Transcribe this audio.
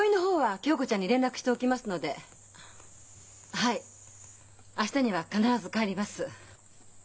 はい明日には必ず帰ります。